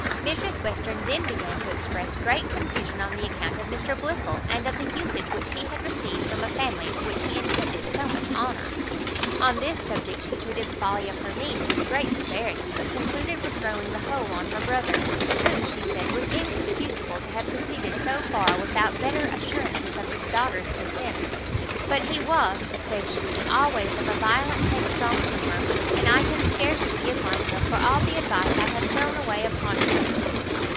Mrs Western then began to express great confusion on the account of Mr Blifil, and of the usage which he had received from a family to which he intended so much honour. On this subject she treated the folly of her niece with great severity; but concluded with throwing the whole on her brother, who, she said, was inexcuseable to have proceeded so far without better assurances of his daughter's consent: "But he was (says she) always of a violent, headstrong temper; and I can scarce forgive myself for all the advice I have thrown away upon him."